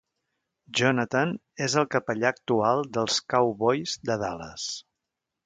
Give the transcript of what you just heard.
Jonathan és el capellà actual dels Cowboys de Dallas.